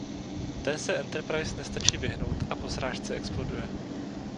Té se Enterprise nestačí vyhnout a po srážce exploduje.